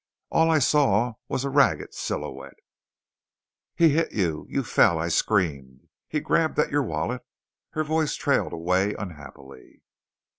All I saw was a ragged silhouette. He hit you. You fell. I screamed. He grabbed at your wallet " Her voice trailed away unhappily.